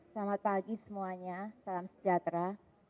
selamat pagi semuanya salam sejahtera